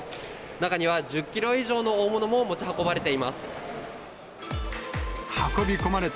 中には１０キロ以上の大物も持ち運ばれています。